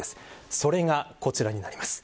それが、こちらになります。